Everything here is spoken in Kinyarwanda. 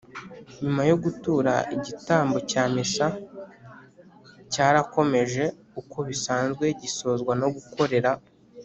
nyuma yo gutura, igitambo cya missa cyarakomeje uko bisanzwe gisozwa no gukorera